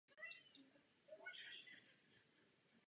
Později se stala součástí města Vyškova.